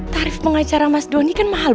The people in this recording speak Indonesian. tarif pengacara mas doni kan mahal